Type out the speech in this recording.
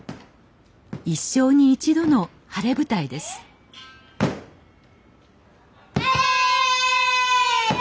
一生に一度の晴れ舞台ですえいや！